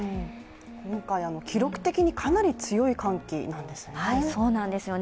今回、記録的にかなり強い寒気なんですよね。